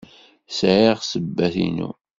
Sɛiɣ ssebbat-inu.